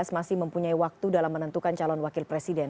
masih mempunyai waktu dalam menentukan calon wakil presiden